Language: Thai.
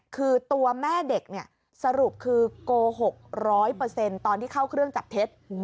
คือตัวแม่เด็กเนี่ยสรุปคือโกหก๑๐๐ตอนที่เข้าเครื่องจับเท็จ